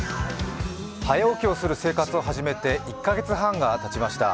早起きをする生活を始めて１カ月半がたちました。